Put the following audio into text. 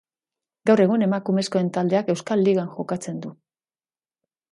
Gaur egun emakumezkoen taldeak Euskal Ligan jokatzen du.